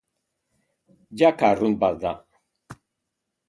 Jaka arrunt bat da.